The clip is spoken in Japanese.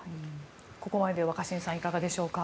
ここまで若新さんいかがですか。